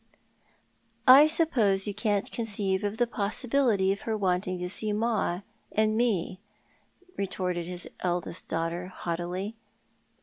" I suppose you can't conceive the possibility of her wanting to see ma and me," retorted his eldest daughter haughtily.